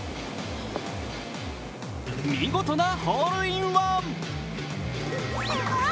見事なホールインワン。